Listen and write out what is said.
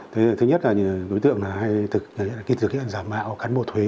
thứ nhất là đối tượng hay thực hiện giả mạo cán bộ thuế